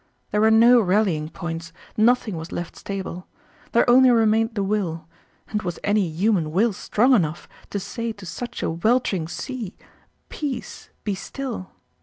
There were no rallying points, nothing was left stable. There only remained the will, and was any human will strong enough to say to such a weltering sea, "Peace, be still"?